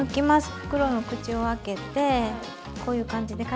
袋の口を開けてこういう感じで軽くやさしく。